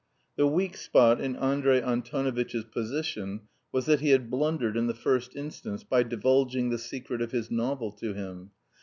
The weak spot in Andrey Antonovitch's position was that he had blundered in the first instance by divulging the secret of his novel to him.